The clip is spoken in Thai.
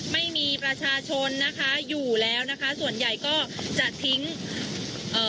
ไม่มีประชาชนนะคะอยู่แล้วนะคะส่วนใหญ่ก็จะทิ้งเอ่อ